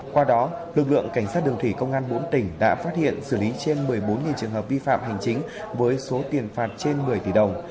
qua đó lực lượng cảnh sát đường thủy công an bốn tỉnh đã phát hiện xử lý trên một mươi bốn trường hợp vi phạm hành chính với số tiền phạt trên một mươi tỷ đồng